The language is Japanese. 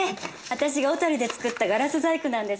私が小樽で作ったガラス細工なんです。